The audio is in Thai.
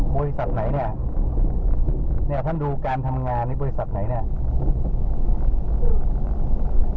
บริษัทไหนเนี่ยเนี่ยท่านดูการทำงานในบริษัทไหนเนี่ย